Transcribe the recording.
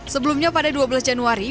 sebelumnya pada dua belas januari